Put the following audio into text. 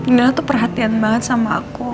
indah tuh perhatian banget sama aku